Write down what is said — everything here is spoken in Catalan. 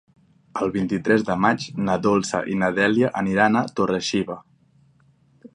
El vint-i-tres de maig na Dolça i na Dèlia aniran a Torre-xiva.